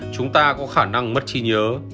chúng ta có khả năng mất trí nhớ